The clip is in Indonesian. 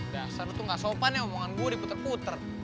dasar itu gak sopan ya omongan gue diputer puter